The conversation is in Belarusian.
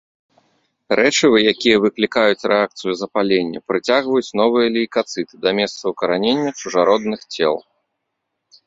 Рэчывы, якія выклікаюць рэакцыю запалення, прыцягваюць новыя лейкацыты да месца ўкаранення чужародных цел.